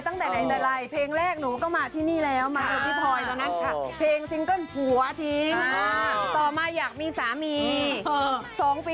ฟังบ่อยได้หัวหลอบบ้านแน่นอน